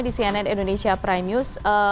di cnn indonesia prime news